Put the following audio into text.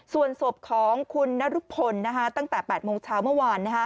ส่วนศพของคุณนรุพลตั้งแต่๘โมงเช้าเมื่อวาน